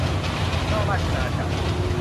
นอกราชอาณาจักร